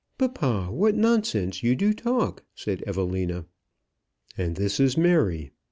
"Papa, what nonsense you do talk!" said Evelina. "And this is Mary.